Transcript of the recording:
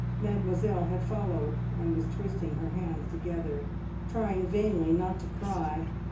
Mademoiselle had followed, and was twisting her hands together, trying vainly not to cry.